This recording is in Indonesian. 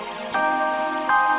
aku punya nyaman yang lebih murah lain